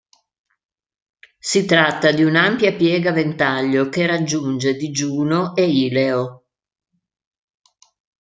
Si tratta di un'ampia piega a ventaglio che raggiunge digiuno e ileo.